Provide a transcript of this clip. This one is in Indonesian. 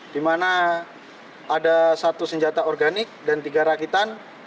dimana ada satu senjata organik dan tiga rakitan